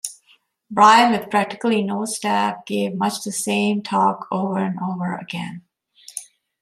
Bryan, with practically no staff, gave much the same talk over and over again.